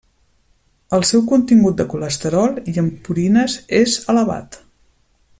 El seu contingut de colesterol i en purines és elevat.